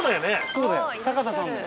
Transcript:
そうだよ坂田さんだよ。